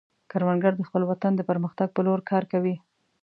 کروندګر د خپل وطن د پرمختګ په لور کار کوي